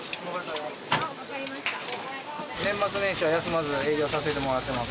年末年始は休まず営業させてもらってます。